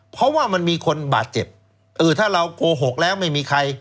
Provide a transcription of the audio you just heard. เพราะว่ามันมีคนบาดเจ็บเออถ้าเราโกหกแล้วไม่มีใคร